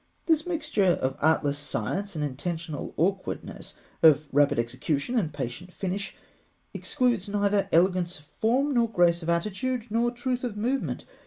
This mixture of artless science and intentional awkwardness, of rapid execution and patient finish, excludes neither elegance of form, nor grace of attitude, nor truth of movement.